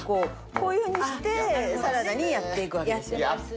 こういうふうにしてサラダにやっていくわけです。